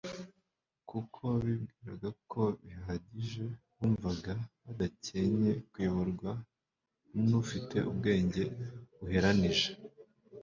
Kuko bibwiraga ko bihagije, bumvaga badakencye kuyoborwa n'ufite ubwenge buheranije.